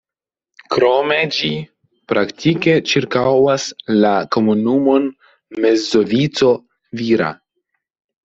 Krome ĝi praktike ĉirkaŭas la komunumon Mezzovico-Vira.